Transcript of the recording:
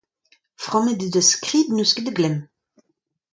Frammet eo da skrid, n'eus ket da glemm.